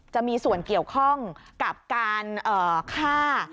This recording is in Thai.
จะมีส่วนเกี่ยวข้องกับการฆ่า